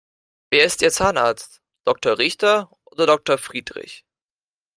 Wer ist ihr Zahnarzt? Doktor Richter oder Doktor Friedrich?